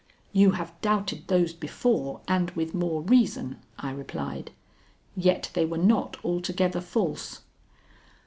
"You have doubted those before and with more reason," I replied, "yet they were not altogether false."